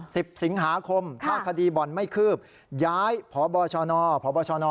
สิบสิงหาคมถ้าคดีบ่อนไม่คืบย้ายพบชนพบชน